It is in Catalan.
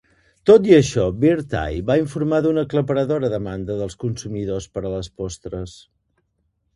Tot i això, Birds Eye va informar d'una aclaparadora demanda dels consumidors per a les postres.